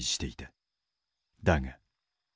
だが。